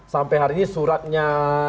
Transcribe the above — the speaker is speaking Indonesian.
sampai hari ini suratnya